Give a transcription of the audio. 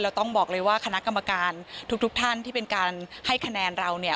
ต้องบอกเลยว่าคณะกรรมการทุกท่านที่เป็นการให้คะแนนเราเนี่ย